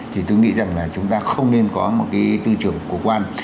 thì tôi nghĩ rằng là chúng ta không nên có một cái tư trưởng của quan